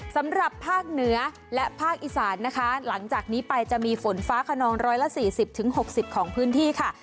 สำหรับภาคเหนือและภาคอีสานนะคะหลังจากนี้ไปจะมีฝนฟ้าขนองร้อยละ๔๐๖๐ของพื้นที่ค่ะ